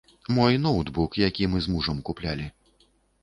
Мой ноўтбук, які мы з мужам куплялі.